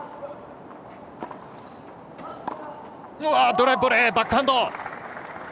ドライブボレーバックハンド！